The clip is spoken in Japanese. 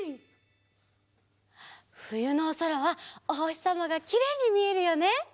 ふゆのおそらはおほしさまがきれいにみえるよね。